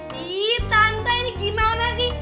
tiii tante ini gimana sih